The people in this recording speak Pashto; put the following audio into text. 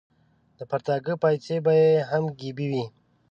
د پرتاګه پایڅې به یې هم ګیبي وې.